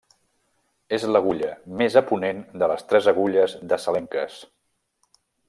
És l'agulla més a ponent de les tres Agulles de Salenques.